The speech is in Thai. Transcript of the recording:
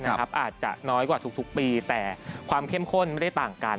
อาจจะน้อยกว่าทุกปีแต่ความเข้มข้นไม่ได้ต่างกัน